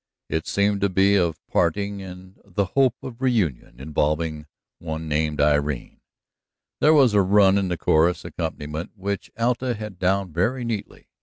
It seemed to be of parting, and the hope of reunion, involving one named Irene. There was a run in the chorus accompaniment which Alta had down very neatly.